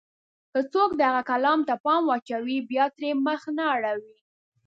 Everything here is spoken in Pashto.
که څوک د هغه کلام ته پام واچوي، بيا ترې مخ نه اړوي.